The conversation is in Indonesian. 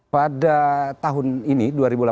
pada tahun ini dua ribu delapan belas